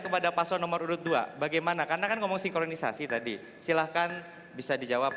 kepada paslon nomor urut dua bagaimana karena kan ngomong sinkronisasi tadi silahkan bisa dijawab